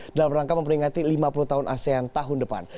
dalam rangka memperingati lima puluh tahun asean tahun depan